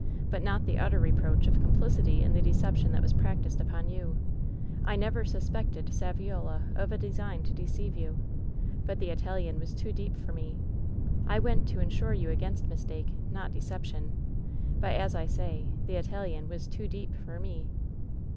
But not the utter reproach of complicity in the deception that was practiced upon you. I never suspected Saviola •f a design to deceive you. But the Italian was too deep for me. I went to insure you against mistake, not de ception. But, as I say, the Italian was too deep for me.'